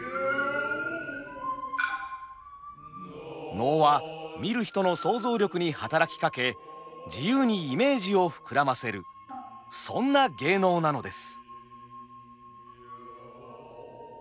能は見る人の想像力に働きかけ自由にイメージを膨らませるそんな芸能なのです。